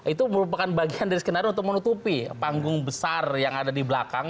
itu merupakan bagian dari skenario untuk menutupi panggung besar yang ada di belakang